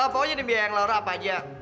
pokoknya nih biar yang laura apa aja